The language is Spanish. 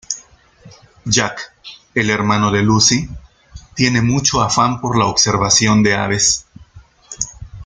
Jack, el hermano de Lucy, tiene mucho afán por la observación de aves.